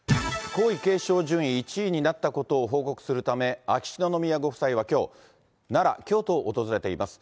皇位継承順位１位になったことを報告するため、秋篠宮ご夫妻はきょう、奈良、京都を訪れています。